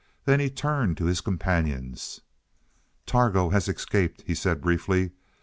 Then he turned to his companions. "Targo has escaped," he said briefly.